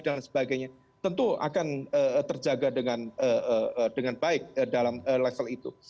dan sebagainya tentu akan terjaga dengan baik dalam level itu